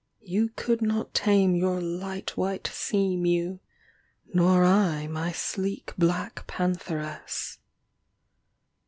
You could not tame your light white sea mew, Nor I my sleek black pantheress.